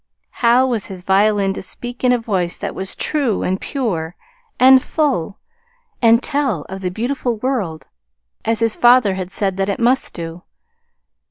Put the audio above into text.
How was his violin to speak in a voice that was true and pure and full, and tell of the beautiful world, as his father had said that it must do?